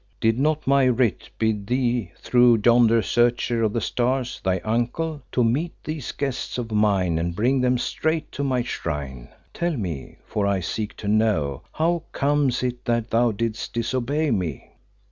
Did not my writ bid thee through yonder searcher of the stars, thy uncle, to meet these guests of mine and bring them straight to my shrine? Tell me, for I seek to know, how comes it that thou didst disobey me?"